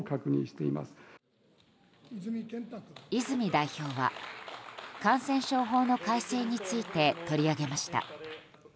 泉代表は感染症法の改正について取り上げました。